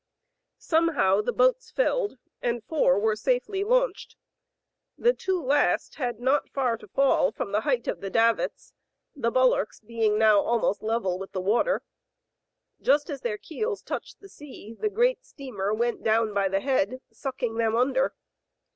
Somehow boats filled, and four were safely launched. The two last had not far to fall from the height of the davits, the bulwarks being now almost level with the water. Just as their keels touched the sea, the great steamer went down by the head, sucking them under.